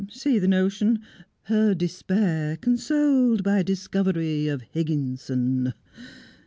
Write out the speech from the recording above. See the notion? Her despair consoled by discovery of Higginson!"